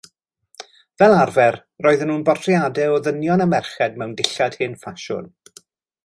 Fel arfer roedden nhw'n bortreadau o ddynion a merched mewn dillad hen-ffasiwn.